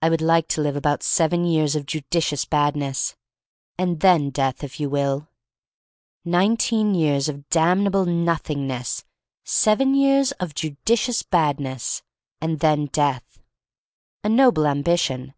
I would like to live about seven years of judicious Badness, and then Death, THE STORY OF MARY MAC LANE 227 if you will. Nineteen years of aamn able Nothingness, seven years of judi cious Badness — and then Death. A noble ambition!